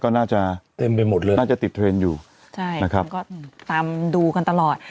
ก็น่าจะเต็มไปหมดเลยน่าจะติดเทรนด์อยู่ใช่นะครับก็ตามดูกันตลอด